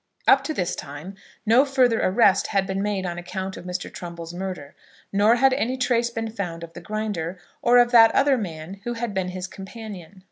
Up to this time no further arrest had been made on account of Mr. Trumbull's murder, nor had any trace been found of the Grinder, or of that other man who had been his companion.